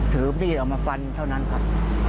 ถือมีดออกมาฟันเท่านั้นครับ